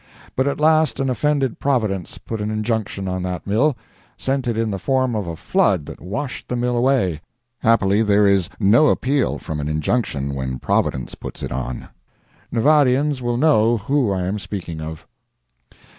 But at last an offended providence put an injunction on that mill—sent it in the form of a flood that washed the mill away. Happily there is no appeal from an injunction when Providence puts it on. Nevadians will know who I am speaking of.